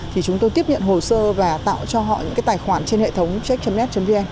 thì chúng tôi tiếp nhận hồ sơ và tạo cho họ những cái tài khoản trên hệ thống check net vn